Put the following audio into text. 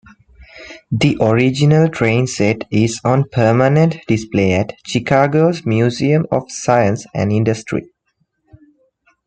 The original trainset is on permanent display at Chicago's Museum of Science and Industry.